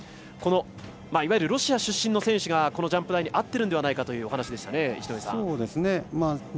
このいわゆるロシア出身の選手がこのジャンプ台に合ってるんではないかというお話でしたね。